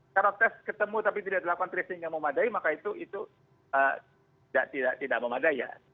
karena tes ketemu tapi tidak dilakukan terisi yang memadai maka itu tidak memadai